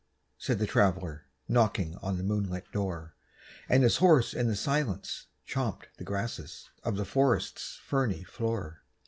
said the Traveler, Knocking on the moonlit door; And his horse in the silence chomped the grasses Of the forest's ferny floor.